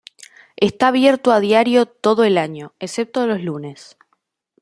Está abierto a diario todo el año, excepto los lunes.